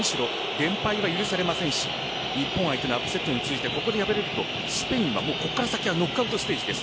連敗は許されませんし日本相手のアップセットに続いてここで敗れるとスペインは、ここから先はノックアウトステージです。